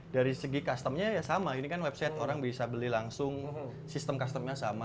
dari segi custom nya ya sama ini kan website orang bisa beli langsung sistem custom nya sama